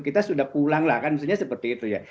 kita sudah pulang lah kan maksudnya seperti itu ya